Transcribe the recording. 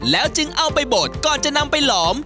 แล้วจึงเอาไปบดก่อนจะนำไปหลอม